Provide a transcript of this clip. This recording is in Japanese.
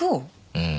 うん。